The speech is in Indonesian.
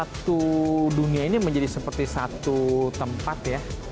satu dunia ini menjadi seperti satu tempat ya